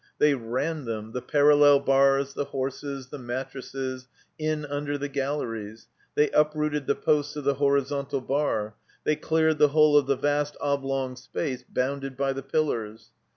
They ran them — ^the parallel bars, the horses, the mattresses — in tmder the galleries; they up rooted the posts of the horizontal bar; they cleared the whole of the vast oblong space bound^ by the pillars.